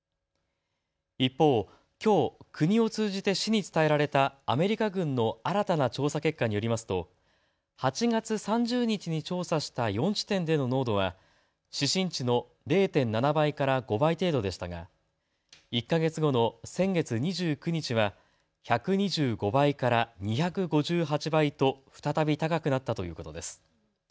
一方、きょう国を通じて市に伝えられたアメリカ軍の新たな調査結果によりますと８月３０日に調査した４地点での濃度は指針値の０．７倍から５倍程度でしたが１か月後の先月２９日は１２５倍から２５８倍と再び高くなったということです。